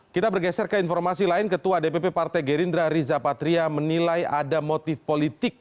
kita bergeser ke informasi lain ketua dpp partai gerindra riza patria menilai ada motif politik